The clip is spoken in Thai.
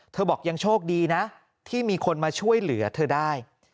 บอกยังโชคดีนะที่มีคนมาช่วยเหลือเธอได้